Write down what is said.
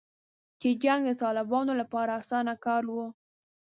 چې جنګ د طالبانو لپاره اسانه کار و